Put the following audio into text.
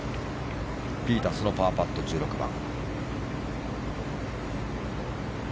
ピータース、パーパット１６番。